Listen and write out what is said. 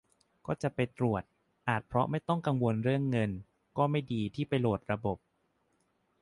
ก็จะไปตรวจ อาจเพราะไม่ต้องกังวลเรื่องเงิน - ก็ไม่ดีที่ไปโหลดระบบ